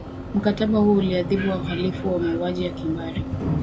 mkataba huo uliadhibu wahalifu wa mauaji ya kimbari